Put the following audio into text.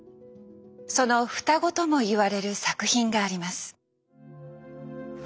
その双子ともいわれる作品があります。